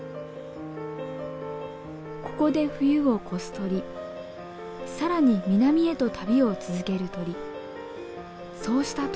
ここで冬を越す鳥更に南へと旅を続ける鳥。